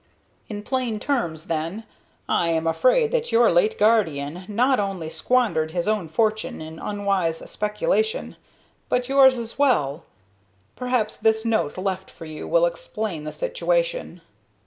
"In plain terms, then, I am afraid that your late guardian not only squandered his own fortune in unwise speculation, but yours as well. Perhaps this note, left for you, will explain the situation."